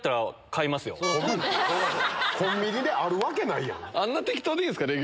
コンビニであるわけないやん。